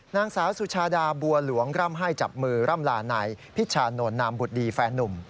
นางสาวสุชาดาบัวหลวงร่ำให้จับมือร่ำลานายพิชานนท์นามบุตรดีแฟนนุ่ม